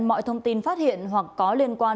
mọi thông tin phát hiện hoặc có liên quan